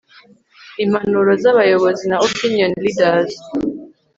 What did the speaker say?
impanuro z'abayobozi na opinion leaders